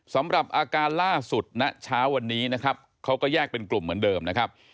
สำหรับอาการล่าสุดณเช้าวันนี้นะครับเขาก็แยกเป็นกลุ่มเหมือนเดิมนะครับ